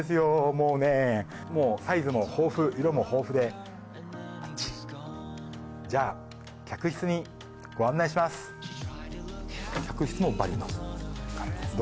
もうねもうサイズも豊富色も豊富でバッチリじゃあ客室もバリの感じですね